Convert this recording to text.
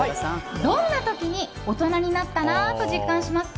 どんな時に大人になったなあと実感しますか？